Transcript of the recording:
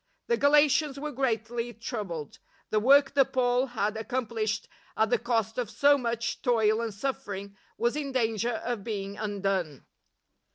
The Galatians were greatly troubled. The work that Paul had accomplished at the cost of so much toil and suffering was in danger of being undone.